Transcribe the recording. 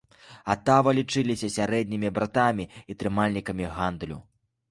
Атава лічыліся сярэднімі братамі і трымальнікамі гандлю.